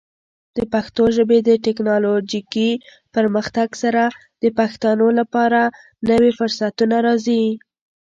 د پښتو ژبې د ټیکنالوجیکي پرمختګ سره، د پښتنو لپاره نوې فرصتونه راځي.